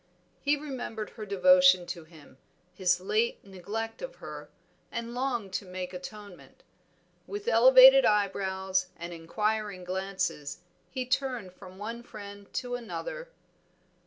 He remembered her devotion to him, his late neglect of her, and longed to make atonement. With elevated eyebrows and inquiring glances, he turned from one friend to another.